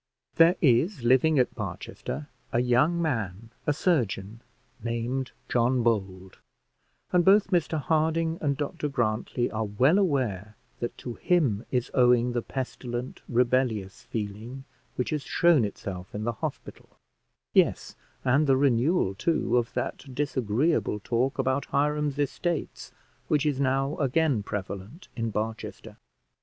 There is living at Barchester, a young man, a surgeon, named John Bold, and both Mr Harding and Dr Grantly are well aware that to him is owing the pestilent rebellious feeling which has shown itself in the hospital; yes, and the renewal, too, of that disagreeable talk about Hiram's estates which is now again prevalent in Barchester.